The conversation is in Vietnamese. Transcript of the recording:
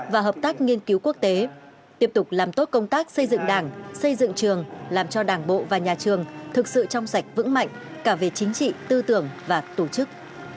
và hợp tác nghiên cứu quốc tế tiếp tục làm tốt công tác xây dựng đảng xây dựng trường làm cho đảng bộ và nhà trường thực sự trong sạch vững mạnh cả về chính trị tư tưởng và tổ chức